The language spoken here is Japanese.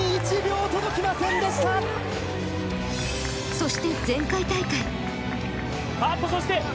そして前回大会。